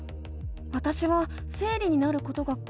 わたしは生理になることがこわくて。